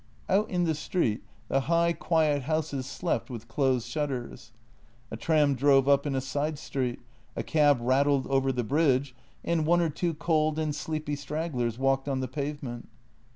Out in the street the high, quiet houses slept with closed shutters. A tram drove up in a side street, a cab rattled over the bridge, and one or two cold and sleepy stragglers walked on the pavement.